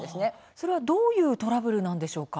それはどういうトラブルなんでしょうか。